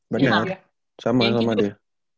banyak sama sama dia